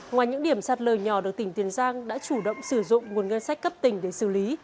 ngoài những điểm sạt lở nhỏ được tỉnh tiền giang đã chủ động sử dụng nguồn ngân sách cấp tỉnh để xử lý